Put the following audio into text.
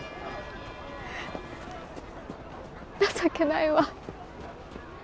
情けないわ。